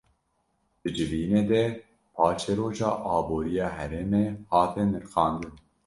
Di civînê de paşeroja aboriya herêmê hate nirxandin